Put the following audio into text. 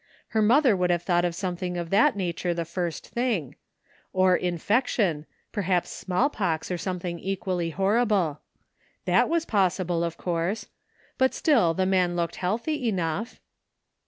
Her mother would have thought of something of that nature the first thing,— or infection, perhaps smallpox or something equally horrible. That was possible, of course. But still, the man looked healthy enough.